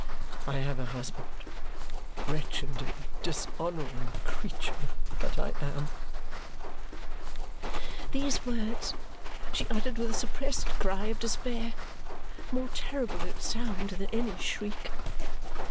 I have a husband, wretched and dishonouring creature that I am!" These words she uttered with a suppressed cry of despair, more terrible in its sound than any shriek.